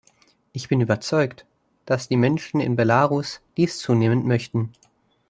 Ich bin überzeugt, dass die Menschen in Belarus dies zunehmend möchten.